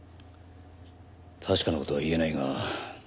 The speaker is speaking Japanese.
確かな事は言えないが。